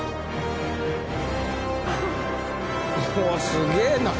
すげえな。